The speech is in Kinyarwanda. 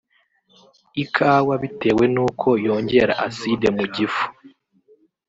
Ikawa bitewe n’uko yongera acide mu gifu